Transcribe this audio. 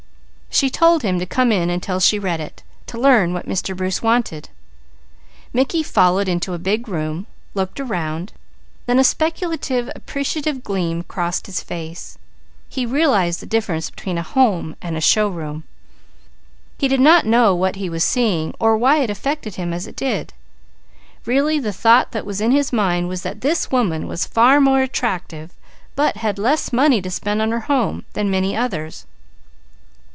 She told him to come in until she read it, to learn what Mr. Bruce wanted. Mickey followed into a big room, looked around, then a speculative, appreciative gleam crossed his face. He realized the difference between a home and a show room. He did not know what he was seeing or why it affected him as it did. Really the thought that was in his mind was that this woman was far more attractive, but had less money to spend on her home, than many others.